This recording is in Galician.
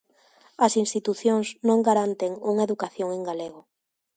As institucións non garanten unha educación en galego.